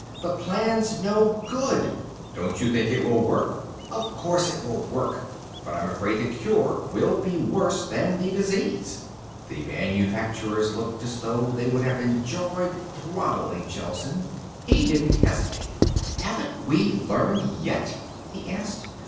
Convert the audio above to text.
"The plan's no good." "Don't you think it will work?" "Of course it will work. But I'm afraid the cure will be worse than the disease." The manufacturers looked as though they would have enjoyed throttling Gelsen. He didn't hesitate. "Haven't we learned yet?" he asked.